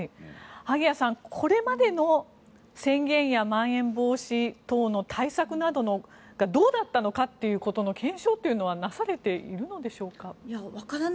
萩谷さん、これまでの宣言やまん延防止等の対策がどうだったのかということの検証というのはなされているのでしょうか。